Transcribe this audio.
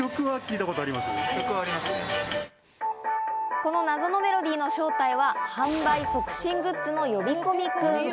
この謎のメロディーの正体は、販売促進グッズの呼び込み君。